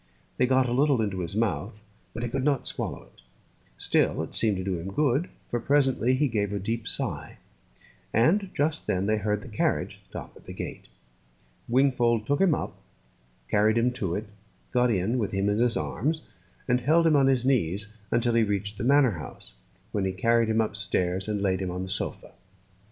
They got a little into his mouth, but he could not swallow it. Still it seemed to do him good, for presently he gave a deep sigh; and just then they heard the carriage stop at the gate. Wingfold took him up, carried him to it, got in with him in his arms, and held him on his knees until he reached the manor house, when he carried him upstairs and laid him on the sofa.